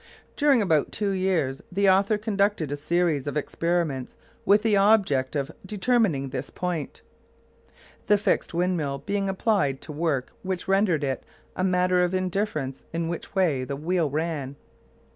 During about two years the Author conducted a series of experiments with the object of determining this point, the fixed windmill being applied to work which rendered it a matter of indifference in which way the wheel ran.